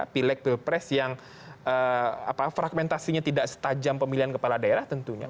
pilek pilpres yang fragmentasinya tidak setajam pemilihan kepala daerah tentunya